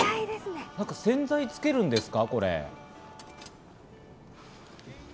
洗剤をつけるんですか？